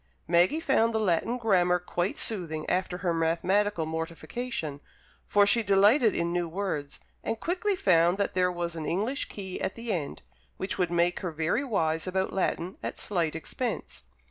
Maggie found the Latin Grammar quite soothing after her mathematical mortification, for she delighted in new words, and quickly found that there was an English Key at the end, which would make her very wise about Latin, at slight expense.